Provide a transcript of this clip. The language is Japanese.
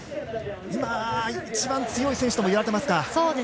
今、一番強い選手ともいわれていますか。